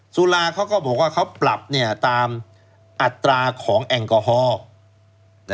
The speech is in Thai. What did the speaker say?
สุราเขาก็บอกว่าเขาปรับตามอัตราของแอลกอฮอล์